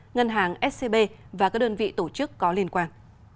ngân hàng scb và các đơn vị tổ chức có liên quan